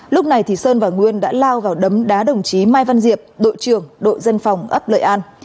lúc này thì sơn và nguyên đã lao vào đấm đá đồng chí mai văn diệp đội trưởng đội dân phòng ấp lợi an